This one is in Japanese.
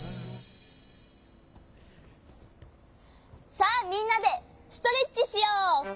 さあみんなでストレッチしよう。